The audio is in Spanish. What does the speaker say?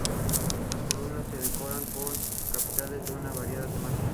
Las columnas se decoran con capiteles de muy variada temática.